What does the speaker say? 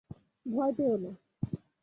ভয় পেও না।